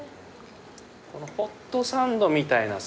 このホットサンドみたいなさ。